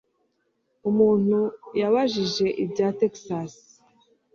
Umuntu yabajije ibya Texas